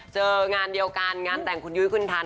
เจองานเดียวกันงานแต่งคุณยุ้ยคุณทัน